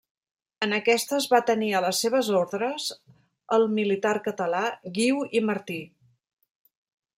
En aquestes va tenir a les seves ordres el militar català Guiu i Martí.